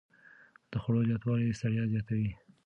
د خوړو زیاتوالی ستړیا زیاتوي.